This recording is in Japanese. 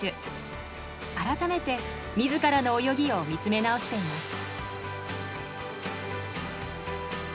改めて自らの泳ぎを見つめ直しています。